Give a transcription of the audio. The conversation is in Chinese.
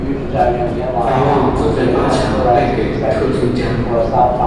法网则在八强败给特松加。